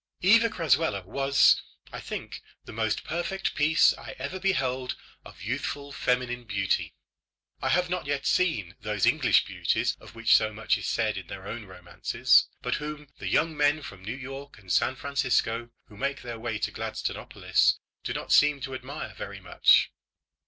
Eva Crasweller was, I think, the most perfect piece I ever beheld of youthful feminine beauty. I have not yet seen those English beauties of which so much is said in their own romances, but whom the young men from New York and San Francisco who make their way to Gladstonopolis do not seem to admire very much.